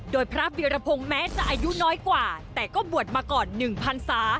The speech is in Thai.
โดยพระวิรพงศ์แม้จะอายุน้อยกว่าแต่ก็บวชมาก่อน๑พันศา